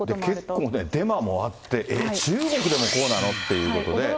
結構ね、デマもあって、中国でもこうなの？っていうことで。